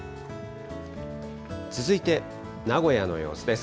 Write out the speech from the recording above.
続いて名古屋の様子です。